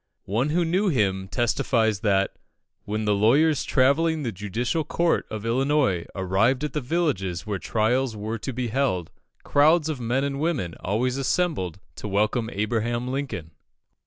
One who knew him testifies that, when the lawyers travelling the judicial circuit of Illinois arrived at the villages where trials were to be held, crowds of men and women always assembled to welcome Abraham Lincoln.